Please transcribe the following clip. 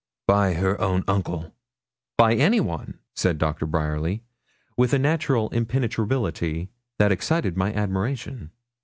'By her own uncle?' 'By anyone,' said Doctor Bryerly, with a natural impenetrability that excited my admiration.